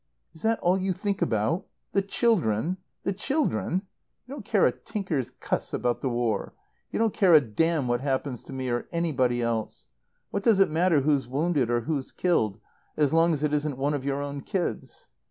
"Is that all you think about? The children? The children. You don't care a tinker's cuss about the war. You don't care a damn what happens to me or anybody else. What does it matter who's wounded or who's killed, as long as it isn't one of your own kids?